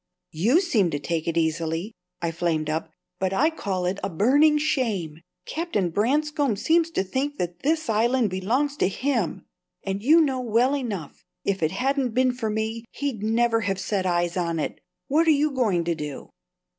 "You seem to take it easily," I flamed up; "but I call it a burning shame! Captain Branscome seems to think that this Island belongs to him; and you know well enough, if it hadn't been for me, he'd never have set eyes on it. What are you going to do?"